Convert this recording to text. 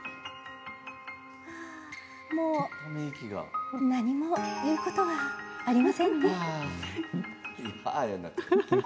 もう何も言うことはありません。